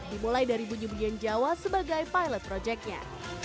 dimulai dari bunyi bunyian jawa sebagai pilot projectnya